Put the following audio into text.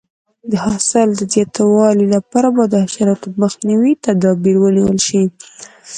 د حاصل د زیاتوالي لپاره باید د حشراتو مخنیوي تدابیر ونیول شي.